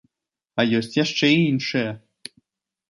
А ёсць яшчэ і іншыя.